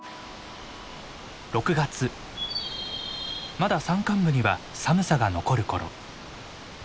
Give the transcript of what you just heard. まだ山間部には寒さが残る頃。